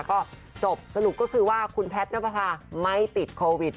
ก็จบสรุปก็คือว่าคุณแพทย์นับประพาไม่ติดโควิด